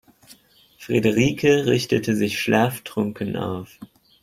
Friederike richtete sich schlaftrunken auf.